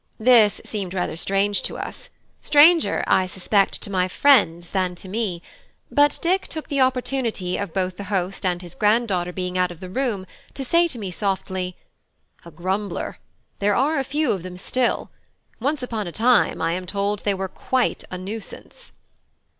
This seemed rather strange to us; stranger, I suspect, to my friends than to me; but Dick took the opportunity of both the host and his grand daughter being out of the room to say to me, softly: "A grumbler: there are a few of them still. Once upon a time, I am told, they were quite a nuisance."